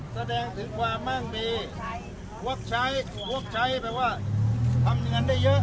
แสดงถึงความมั่งมีหัวใจหัวใจหัวใจแปลว่าทำหนึ่งอันได้เยอะ